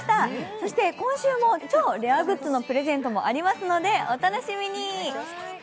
そして、今週も超レアグッズのプレゼントもありますので、お楽しみに。